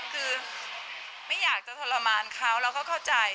คือไม่อยากจะทรมานเขาแล้วก็เข้าใจ